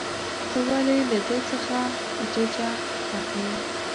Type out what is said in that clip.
ته ولې له ده څخه ججه اخلې.